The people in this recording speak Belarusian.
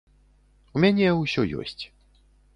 У мяне ўсё ёсць.